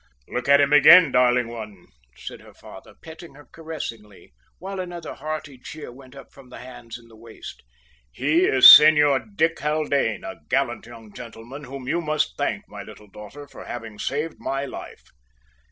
"Look at him again, darling one," said her father, petting her caressingly, while another hearty cheer went up from the hands in the waist. "He is Senor Dick Haldane, a gallant young gentleman whom you must thank, my little daughter, for having saved my life."